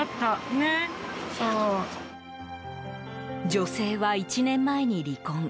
女性は１年前に離婚。